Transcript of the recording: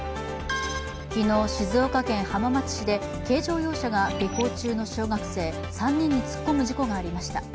昨日、静岡県浜松市で軽乗用車が下校中の小学生３人に突っ込む事故がありました。